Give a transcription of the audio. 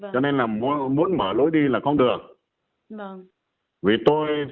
cho nên là muốn mở lối đi là không được